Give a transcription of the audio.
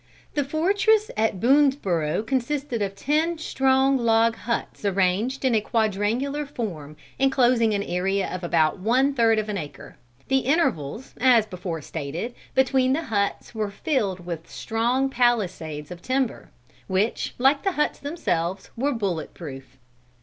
The fortress at Boonesborough consisted of ten strong log huts arranged in a quadrangular form, enclosing an area of about one third of an acre. The intervals, as before stated, between the huts, were filled with strong palisades of timber, which, like the huts themselves, were bullet proof.